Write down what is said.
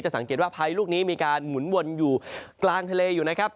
สังเกตว่าพายุลูกนี้มีการหมุนวนอยู่กลางทะเลอยู่นะครับ